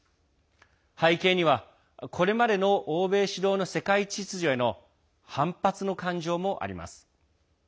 背景にはこれまで欧米主導の世界秩序への反発の感情もあります。